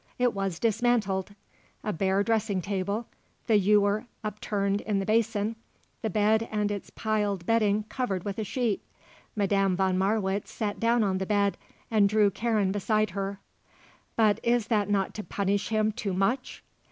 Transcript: It was dismantled; a bare dressing table, the ewer upturned in the basin, the bed and its piled bedding covered with a sheet. Madame von Marwitz sat down on the bed and drew Karen beside her. "But is not that to punish him too much?"